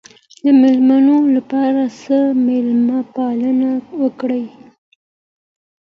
د مېلمنو لپاره ښه مېلمه پالنه وکړئ.